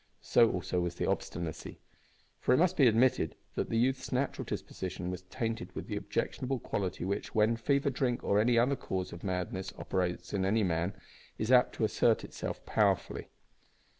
So also was the obstinacy. For it must be admitted that the youth's natural disposition was tainted with that objectionable quality which, when fever, drink, or any other cause of madness operates in any man, is apt to assert itself powerfully.